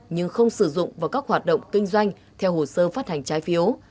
nhưng không sử dụng vào các hoạt động kinh doanh theo hồ sơ phát hành trái phiếu